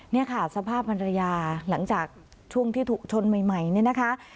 นี่ค่ะสภาพภรรยาหลังจากช่วงที่ถูกชนใหม่เนี่ยนะคะ